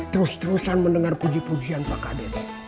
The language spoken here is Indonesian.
terus terusan mendengar puji pujian pak kadin